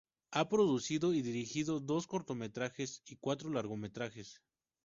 Ha producido y dirigido dos cortometrajes y cuatro largometrajes.